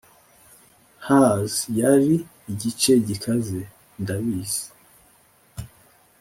hers yari igice gikaze, ndabizi;